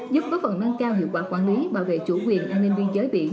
giúp có phần nâng cao hiệu quả quản lý bảo vệ chủ quyền an ninh biên giới biển